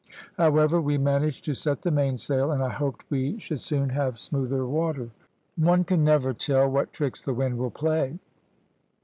However we managed to set the mainsail, and I hoped we should soon have smoother water. "One never can tell what tricks the wind will play.